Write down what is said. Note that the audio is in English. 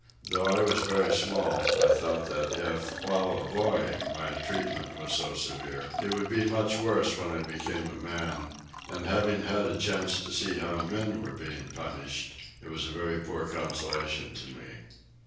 Though I was very small I thought that if, while a boy, my treatment was so severe, it would be much worse when I became a man, and having had a chance to see how men were being punished, it was a very poor consolation to me.